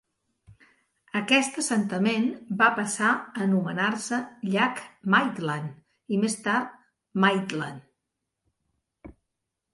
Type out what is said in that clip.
Aquest assentament va passar a anomenar-se Llac Maitland, i més tard Maitland.